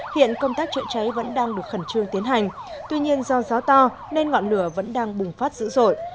hiện công tác chữa cháy vẫn đang được khẩn trương tiến hành tuy nhiên do gió to nên ngọn lửa vẫn đang bùng phát dữ dội